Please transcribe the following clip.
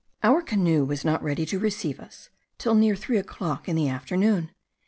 Our canoe was not ready to receive us till near three o'clock in the afternoon.